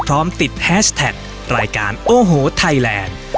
พร้อมติดแฮชแท็กรายการโอ้โหไทยแลนด์